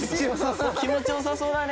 気持ち良さそうだね。